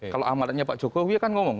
kalau amalatnya pak jokowi akan ngomong